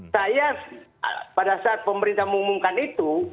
saya pada saat pemerintah mengumumkan itu